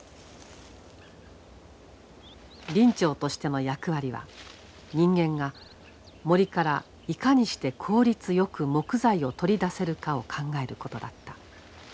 林長としての役割は人間が森からいかにして効率よく木材を取り出せるかを考えることだった。